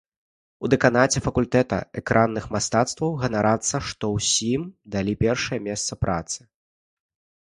У дэканаце факультэта экранных мастацтваў ганарацца, што ўсім далі першае месца працы.